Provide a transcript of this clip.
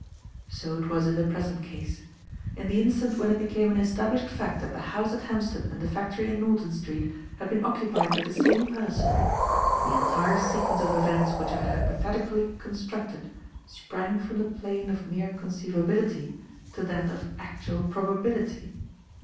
"So it was in the present case. In the instant when it became an established fact that the house at Hampstead and the factory in Norton Street had been occupied by the same person, the entire sequence of events which I had hypothetically constructed sprang from the plane of mere conceivability to that of actual probability.